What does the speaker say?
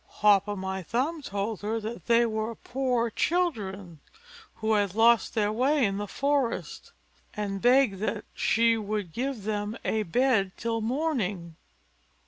Hop o' my thumb told her that they were poor children, who had lost their way in the forest, and begged that she would give them a bed till morning.